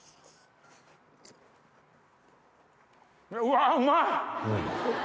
うわうまい！